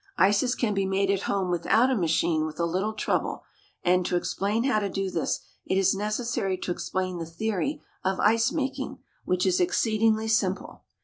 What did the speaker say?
Ices can be made at home without a machine with a little trouble, and, to explain how to do this, it is necessary to explain the theory of ice making, which is exceedingly simple.